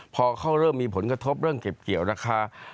พอเขาเริ่มมีผลกระทบเรื่องเก็บเกี่ยวราคา